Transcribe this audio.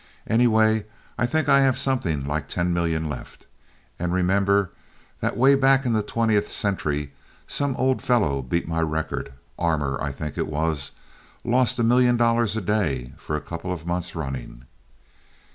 Anyway, I think I have something like ten million left. And remember that way back in the twentieth century some old fellow beat my record. Armour, I think it was, lost a million dollars a day for a couple of months running.